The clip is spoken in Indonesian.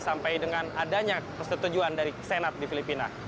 sampai dengan adanya persetujuan dari senat di filipina